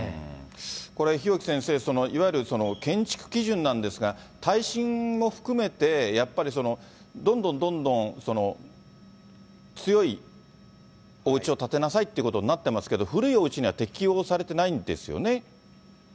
これ、日置先生、いわゆる建築基準なんですが、耐震も含めて、やっぱりどんどんどんどん強いおうちを建てなさいということになってますけど、古いおうちには適用されてないんですよね。